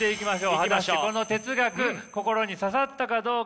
果たしてこの哲学心に刺さったかどうか。